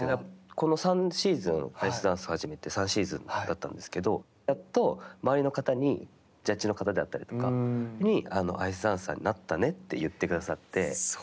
この３シーズンアイスダンスを始めて３シーズンだったんですけど、やっと周りの方にジャッジの方であったりとか、アイスダンサーになったねって言ってくださって。